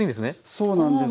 そうなんです。